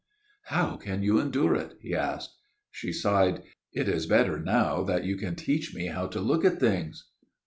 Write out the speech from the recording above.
"How can you endure it?" he asked. She sighed. "It is better now that you can teach me how to look at things."